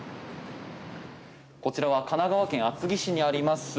こちらは神奈川県厚木市にあります